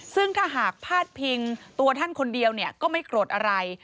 ซึ่งถ้าหากพาดพิงตัวท่านคนเดียวก็ไม่โกรธอะไร